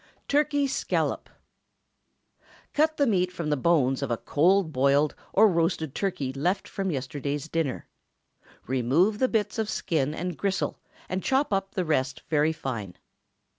TURKEY SCALLOP. ✠ Cut the meat from the bones of a cold boiled or roasted turkey left from yesterday's dinner. Remove the bits of skin and gristle, and chop up the rest very fine.